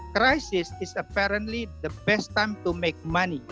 krisis itu ternyata saat terbaik untuk membuat uang